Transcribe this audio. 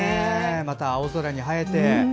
また青空に映えて。